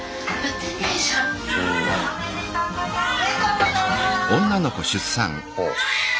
おめでとうございます。